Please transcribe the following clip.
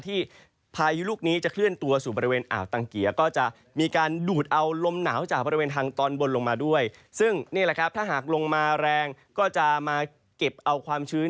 ถ้าหากลงมาแรงก็จะมาเก็บเอาความชื้น